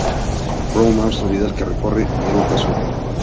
Brown, Maestro Vidal, que corren de norte a sur.